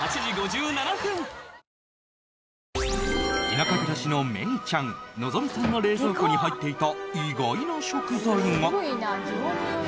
田舎暮らしのメイちゃんＮｏｚｏｍｉさんの冷蔵庫に入っていた意外な食材が。